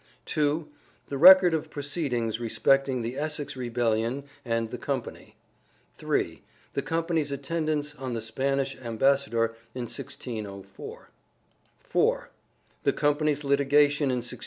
(2) The record of proceedings respecting the Essex Rebellion and the company. (3) The company's attendance on the Spanish Ambassador in 1604. (4) The company's litigation in 1612.